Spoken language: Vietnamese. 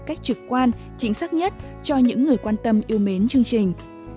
ảnh quan chính xác nhất cho những người quan tâm yêu mến chương trình